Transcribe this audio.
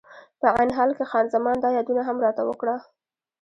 په عین حال کې خان زمان دا یادونه هم راته وکړه.